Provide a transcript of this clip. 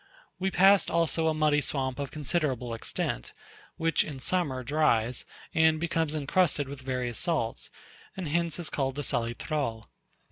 We passed also a muddy swamp of considerable extent, which in summer dries, and becomes incrusted with various salts; and hence is called a salitral.